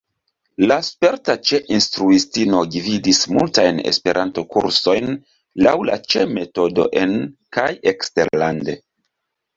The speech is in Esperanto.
La sperta Ĉe-instruistino gvidis multajn Esperanto-kursojn laŭ la Ĉe-metodo en- kaj eksterlande.